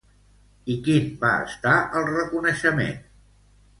I quin va estar el reconeixement?